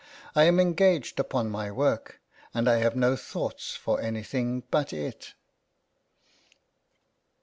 I am engaged upon my work, and I have no thoughts for anything but it."